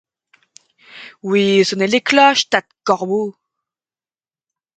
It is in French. Oui, sonnez les cloches, tas de corbeaux !